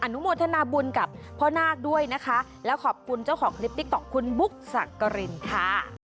นุโมทนาบุญกับพ่อนาคด้วยนะคะแล้วขอบคุณเจ้าของคลิปติ๊กต๊อกคุณบุ๊กสักกรินค่ะ